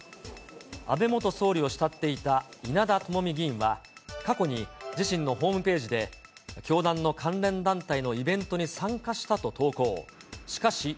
安倍元総理を慕っていた稲田朋美議員は、過去に自身のホームページで、教団の関連団体のイベントに参加したと投稿。